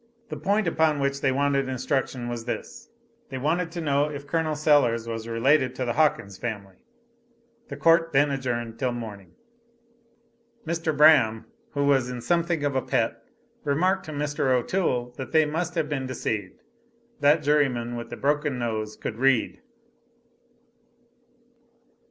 The point upon which they wanted instruction was this. They wanted to know if Col. Sellers was related to the Hawkins family. The court then adjourned till morning. Mr. Braham, who was in something of a pet, remarked to Mr. O'Toole that they must have been deceived that juryman with the broken nose could read!